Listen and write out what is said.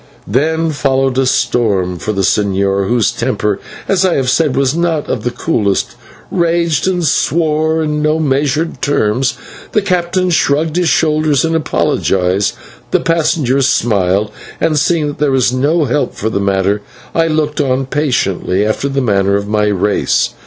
Then followed a storm, for the señor whose temper, as I have said, was not of the coolest raged and swore in no measured terms; the captain shrugged his shoulders and apologised; the passengers smiled; and, seeing that there was no help for the matter, I looked on patiently after the manner of my race.